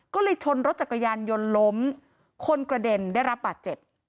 ก็เลยชนรถจักรยานยนต์ล้มคนกระเด็นได้รับบาดเจ็บ